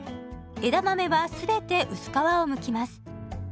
枝豆は全て薄皮をむきます。